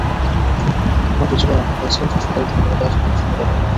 মাটির চুলায় রান্না করছিলেন শ্বশুরবাড়ি থেকে বেড়াতে আসা মেয়ে সুমি বেগম।